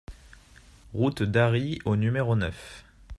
Route d'Arry au numéro neuf